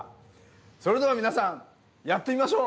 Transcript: それでは皆さんやってみましょう！